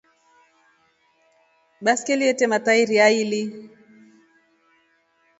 Baskeli lete matairi aili.